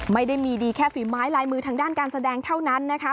ไม่ได้มีดีแค่ฝีไม้ลายมือทางด้านการแสดงเท่านั้นนะคะ